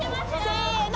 せの！